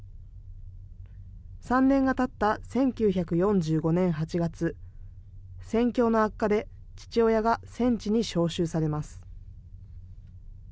３年がたった１９４５年８月、戦況の悪化で、父親が戦地に召集されます。